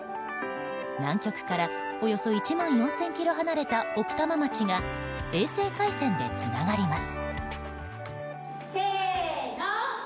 南極からおよそ１万４０００ｋｍ離れた奥多摩町が衛星回線でつながります。